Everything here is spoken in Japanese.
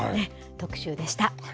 特集でした。